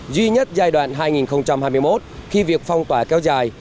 duy nhất giai đoạn hai nghìn hai mươi một khi việc phong tỏa kéo dài